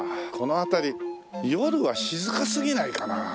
この辺り夜は静かすぎないかな？